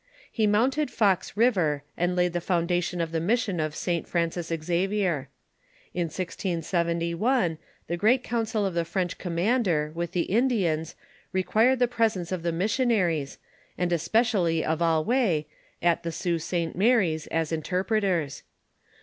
He mounted Fox river and laid the foundation of the mission of St. Francis Xavier. In 1671, the great council of the Frencli commander, with the Indians, required the presence of the missionaries, and especially of Allouez, at the Sault St. Mary's as interpreters.